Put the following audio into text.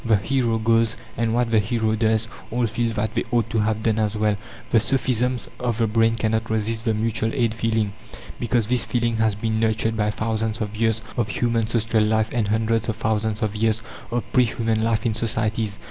The hero goes; and what the hero does, all feel that they ought to have done as well. The sophisms of the brain cannot resist the mutual aid feeling, because this feeling has been nurtured by thousands of years of human social life and hundreds of thousands of years of pre human life in societies.